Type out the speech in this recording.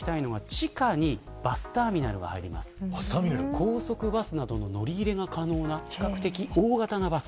高速バスなどの乗り入れが可能な比較的大型のバス。